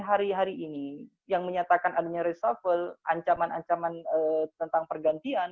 hari hari ini yang menyatakan adanya reshuffle ancaman ancaman tentang pergantian